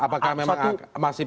apakah memang masih